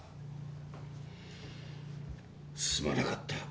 すまなかった。